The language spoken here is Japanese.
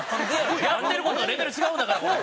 やってる事のレベル違うんだからこれ。